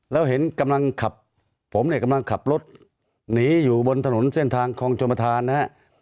แล้วเห็นกำลังขับผมเนี่ยกำลังขับรถหนีอยู่บนถนนเส้นทางคลองชมประธานนะครับ